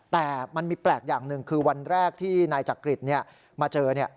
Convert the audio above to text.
แต่มันมีแปลกอย่างหนึ่งคือวันแรกที่นายจักริตมาเจอ